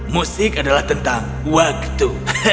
musik adalah tentang waktu